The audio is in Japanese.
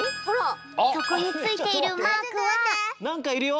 そこについているマークは。なんかいるよ。